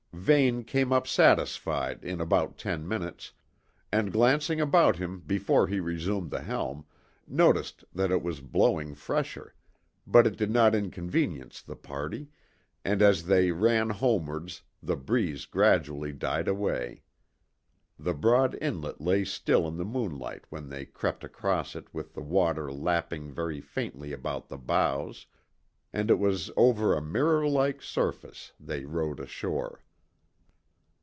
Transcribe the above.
Vane came up satisfied in about ten minutes, and glancing about him before he resumed the helm, noticed that it was blowing fresher, but it did not inconvenience the party, and as they ran homewards the breeze gradually died away. The broad inlet lay still in the moonlight when they crept across it with the water lapping very faintly about the bows, and it was over a mirror like surface they rowed ashore.